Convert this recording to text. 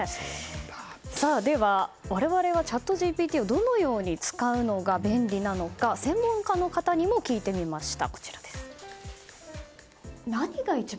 では、我々はチャットＧＰＴをどのように使うのが便利なのか、専門家の方にも聞いてみました。